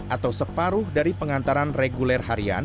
atau separuh dari pengantaran reguler harian